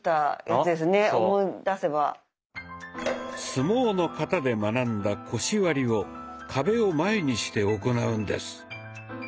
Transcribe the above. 相撲の型で学んだ「腰割り」を壁を前にして行うんです。